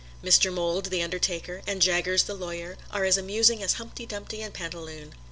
Mr. Mould, the undertaker, and Jaggers, the lawyer, are as amusing as Humpty Dumpty and Pantaloon.